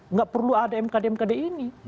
nggak perlu ada mkd mkd ini